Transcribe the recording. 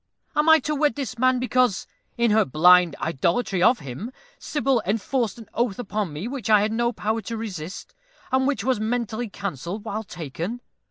Am I to wed this man because, in her blind idolatry of him, Sybil enforced an oath upon me which I had no power to resist, and which was mentally cancelled while taken?